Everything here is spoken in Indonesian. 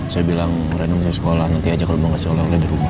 saya bilang reina mau ke sekolah nanti aja kalau mau kasih oleh oleh di rumah